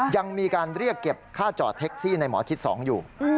ยังมีการเรียกเก็บค่าจอดแท็กซี่ในหมอชิด๒อยู่